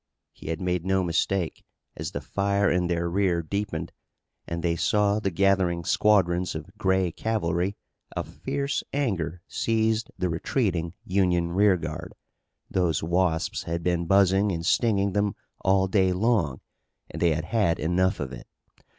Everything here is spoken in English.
He had made no mistake, as the fire in their rear deepened, and they saw the gathering squadrons of gray cavalry, a fierce anger seized the retreating Union rearguard. Those wasps had been buzzing and stinging them all day long and they had had enough of it.